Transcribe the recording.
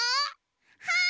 はい！